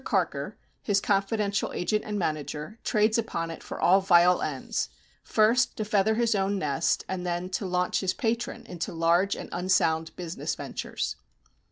Carker, his confidential agent and manager, trades upon it for all vile ends, first to feather his own nest, and then to launch his patron into large and unsound business ventures.